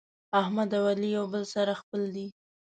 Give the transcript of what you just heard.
احمد او علي یو له بل سره خپل دي.